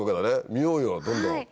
見ようよどんどん。